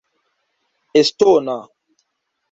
estona